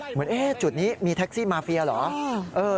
เหมือนจุดนี้มีแท็กซี่มาเฟียเหรอ